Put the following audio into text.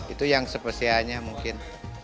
itu yang spesialnya mungkin